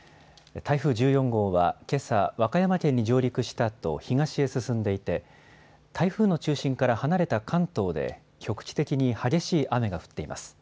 台風１４号はけさ、和歌山県に上陸したあと東へ進んでいて台風の中心から離れた関東で局地的に激しい雨が降っています。